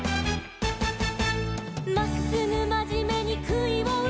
「まっすぐまじめにくいをうつ」